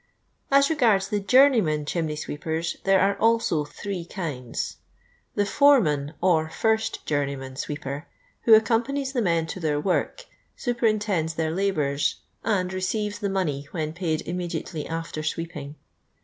As regards the Journeymen Chimmy Sviepers there are also three kinds: — The " forenmn " or " first journeyman " sweeper, who acconifjanies the men to their work, super , intends their labours, and receives the money, I when paid immediately after sweeping.